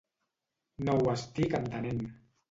No ho estic entenent.